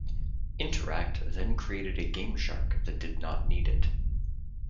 InterAct then created a GameShark that did not need it.